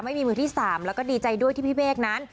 มือที่๓แล้วก็ดีใจด้วยที่พี่เมฆนั้น